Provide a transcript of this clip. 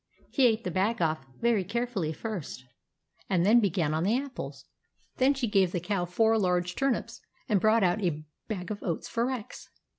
He ate the bag off very carefully first, and then began on the apples. Then she gave the Cow four large turnips, and brought out a bag of oats for Rex.